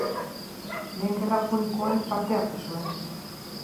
Lehen Gerra Punikoan parte hartu zuen.